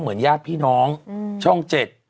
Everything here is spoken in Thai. เหมือนย่าพี่น้องช่อง๗